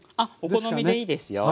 お好みでいいですよ。